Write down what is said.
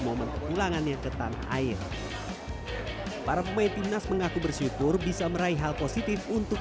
momen kepulangannya ke tanah air para pemain timnas mengaku bersyukur bisa meraih hal positif untuk